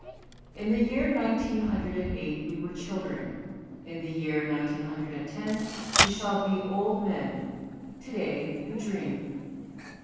In the year nineteen hundred and eight we were children ; in the year nineteen hundred and ten we shall be old men ; to day, we dream.